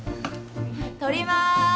撮ります。